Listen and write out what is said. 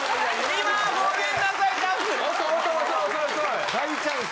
・今ごめんなさいチャンス・・大チャンス！